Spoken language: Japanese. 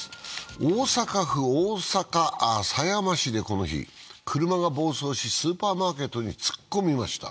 大阪府大阪狭山市でこの日、車が暴走しスーパーマーケットに突っ込みました。